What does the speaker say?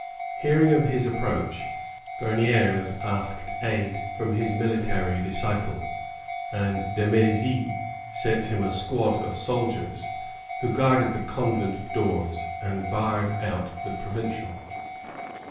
Hearing of his approach, Bemidres asked aid from his militaiy disciple, and De M^zy sent him a squad of soldiers, who guarded the convent doors and barred out the provincial.